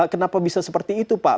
kenapa bisa seperti itu pak